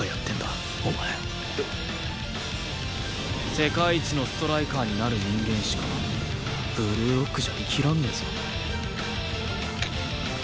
世界一のストライカーになる人間しかブルーロックじゃ生きらんねえぞ。